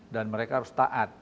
dan mereka harus taat